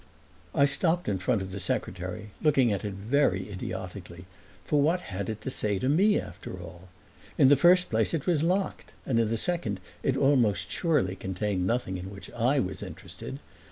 I stopped in front of the secretary, looking at it very idiotically; for what had it to say to me after all? In the first place it was locked, and in the second it almost surely contained nothing in which I was interested.